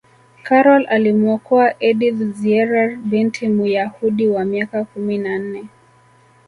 karol alimuokoa edith zierer binti muyahudi wa miaka kumi na nne